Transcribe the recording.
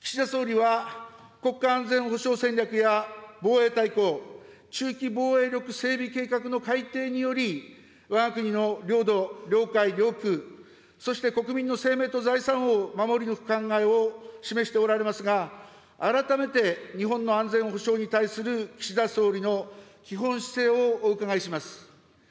岸田総理は、国家安全保障戦略や防衛大綱、中期防衛力整備計画の改定により、わが国の領土・領海・領空、そして国民の生命と財産を守り抜く考えを示しておられますが、改めて日本の安全保障に対する岸田総理の基本姿勢をお伺いします。